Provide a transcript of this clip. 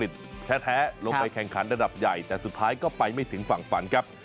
แต่สุดท้ายก็ไปไม่ถึงฝังฝันครับ